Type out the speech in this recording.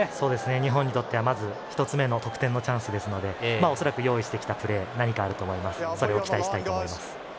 日本にとってはまず１つ目の得点のチャンスですので恐らく用意してきたプレーが何かあるので期待したいと思います。